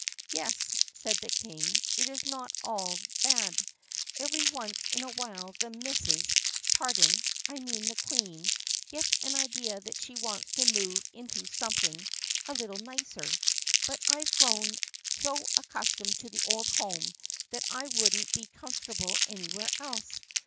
"Yes," said the King, "it is not at all bad. Every once in a while the missis — pardon, I mean the Queen — gets an idea that she wants to move into something a little nicer, but I 've grown so accustomed to the old home that I would n't be com fortable anywhere else.